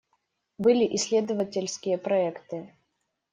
Были исследовательские проекты.